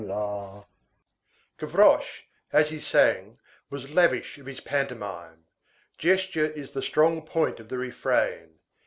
56 Gavroche, as he sang, was lavish of his pantomime. Gesture is the strong point of the refrain.